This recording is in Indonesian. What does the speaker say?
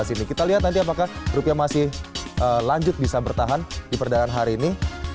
dua ribu delapan belas ini kita lihat nanti apakah rupiah masih lanjut bisa bertahan di perdagangan hari ini